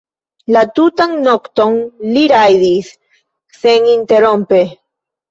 La tutan nokton li rajdis seninterrompe.